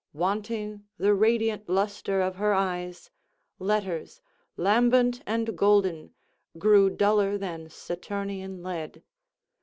Wanting the radiant lustre of her eyes, letters, lambent and golden, grew duller than Saturnian lead.